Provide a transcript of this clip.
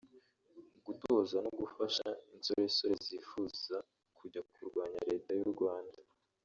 gutoza no gufasha insorensore zifuza kujya kurwanya leta y’u Rwanda